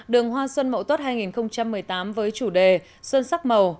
đường hoa xuân mậu tuất hai nghìn một mươi tám với chủ đề xuân sắc màu